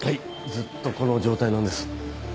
ずっとこの状態なんです。